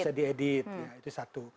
bisa diedit itu satu